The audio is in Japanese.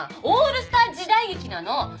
オールスター時代劇なの！